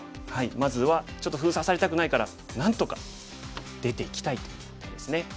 まずはちょっと封鎖されたくないからなんとか出ていきたいという手ですね。